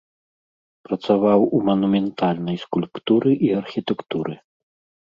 Працаваў у манументальнай скульптуры і архітэктуры.